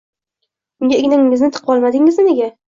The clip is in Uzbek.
Unga ignangizni tiqvolmadingiz nega?